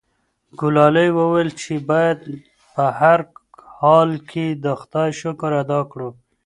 ګلالۍ وویل چې باید په هر حال کې د خدای شکر ادا کړو.